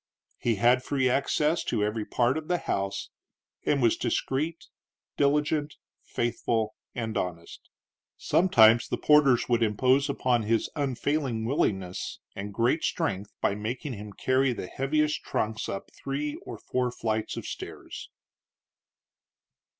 He had free access to every part of the house, and was discreet, diligent, faithful, and honest. Sometimes the porters would impose upon his unfailing willingness and great strength by making him carry the heaviest trunks up three or four flights of stairs.